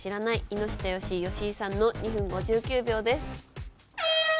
井下好井好井さんの２分５９秒です。